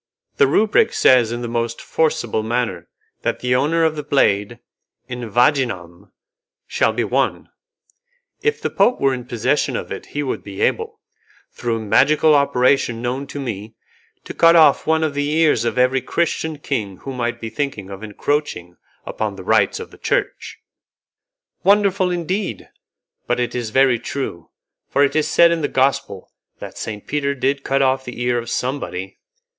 The rubric says in the most forcible manner that the owner of the blade, 'in vaginam', shall be one. If the Pope were in possession of it he would be able, through a magical operation known to me, to cut off one of the ears of every Christian king who might be thinking of encroaching upon the rights of the Church." "Wonderful, indeed! But it is very true, for it is said in the Gospel that Saint Peter did cut off the ear of somebody."